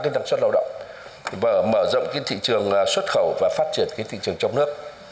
tăng năng suất lâu động và mở rộng thị trường xuất khẩu và phát triển thị trường trong nước